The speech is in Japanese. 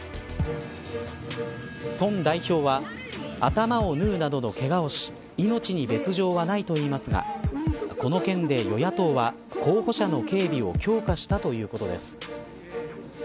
宋代表は頭を縫うなどのけがをし命に別条はないといいますがこの件で与野党は候補者の警備を強化したということです。